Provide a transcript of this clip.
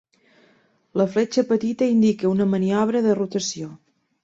La fletxa petita indica una maniobra de rotació.